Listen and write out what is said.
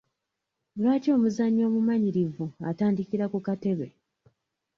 Lwaki omuzannyi omumanyirivu atandikira ku katebe?